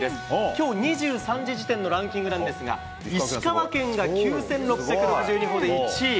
きょう２３時時点のランキングなんですが、石川県が９６６２歩で１位。